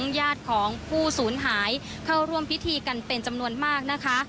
ทั้งญาติของผู้ศูนย์หายเข้าร่วมพิธีกันเป็นจำนวนมาก